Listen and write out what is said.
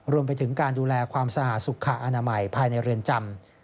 รวมไปถึงการดูแลความสะอาดสุขอนามัยภายในเรือนจำ